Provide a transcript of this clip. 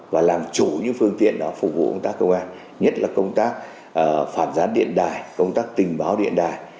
và làm chủ những phương tiện đó phục vụ công tác công an nhất là công tác phản gián điện đài công tác tình báo điện đài